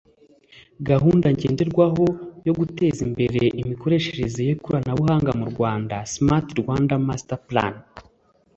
gahunda ngenderwaho yo guteza imbere imikoreshereze y'ikoranabuhanga mu rwanda (smart rwanda master plan)